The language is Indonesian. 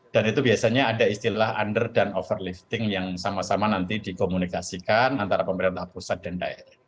dan itu biasanya ada istilah under dan over lifting yang sama sama nanti dikomunikasikan antara pemerintah pusat dan daerah